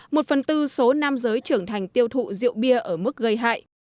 một phần tư số nam giới trưởng thành tiêu thụ rượu bia ở mức gây hại